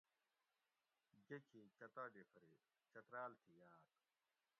گیکھی چترالی فریق چترال تھی یاۤت